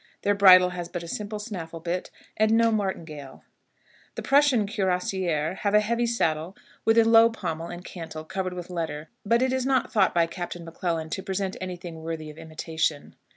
Their bridle has but a simple snaffle bit, and no martingale. The Prussian cuirassiers have a heavy saddle with a low pommel and cantle, covered with leather, but it is not thought by Captain M'Clellan to present any thing worthy of imitation.